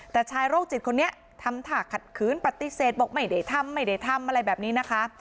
แต่ชายโรคจิตคนนี้ทำถากขัดคืนปฏิเสธบอกไม่ได้ทำอะไรแบบนี้นะคะ